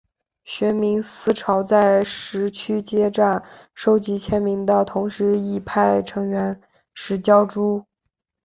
学民思潮在十区街站收集签名的同时亦派成员拾胶珠。